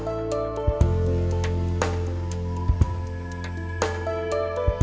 halo kawan ketat